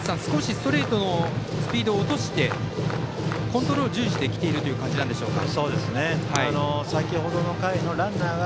ストレートのスピードを落としてコントロール重視できているんでしょうか。